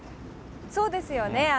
そうですよね。